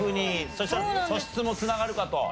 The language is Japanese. そしたら素質も繋がるかと。